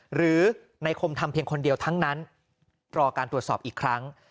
หรือในคมทำเพียงคนเดียวทั้งนั้นรอการตรวจสอบอีกครั้ง